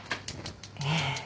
ええ。